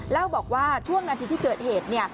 เล่าบอกว่าช่วงนาทีที่เกิดเหตุ